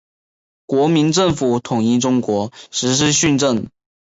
国民政府统一中国，实施训政。